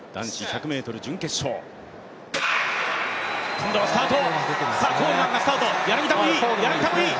今度はスタート。